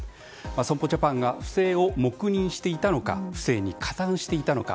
損保ジャパンが不正を黙認していたのか不正に加担していたのか。